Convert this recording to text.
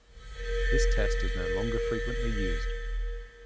This test is no longer frequently used.